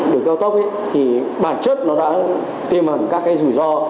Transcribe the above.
đường cao tốc thì bản chất nó đã tiêm ẩn các cái rủi ro